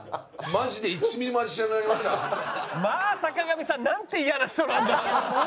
まあ坂上さんなんてイヤな人なんだ。